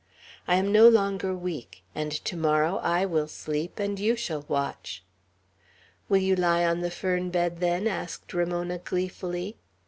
"I am no longer weak; and to morrow I will sleep, and you shall watch." "Will you lie on the fern bed then?" asked Ramona, gleefully.